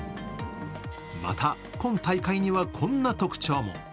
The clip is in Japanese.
また、今大会にはこんな特徴も。